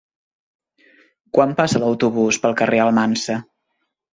Quan passa l'autobús pel carrer Almansa?